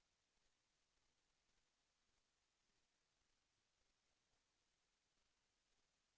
แสวได้ไงของเราก็เชียนนักอยู่ค่ะเป็นผู้ร่วมงานที่ดีมาก